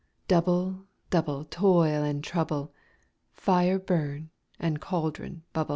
ALL. Double, double, toil and trouble; Fire, burn; and cauldron, bubble.